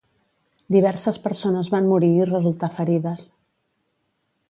Diverses persones van morir i resultar ferides.